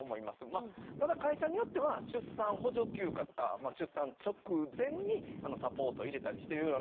まあただ会社によっては出産補助休暇とか出産直前にサポート入れたりしてるようなとこはあったりはするんですけどね。